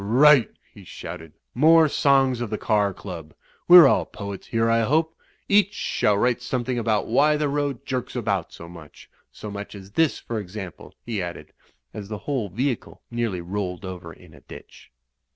"Right," he shouted. "More songs of the car club! We're all poets here, I hope. Each shall write some thing about why the road jerks about so much. So much as this, for example," he added, as the whole vehicle nearly rolled over in a ditch.